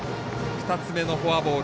２つ目のフォアボール。